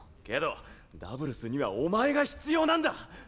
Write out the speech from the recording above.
けどダブルスにはお前が必要なんだ！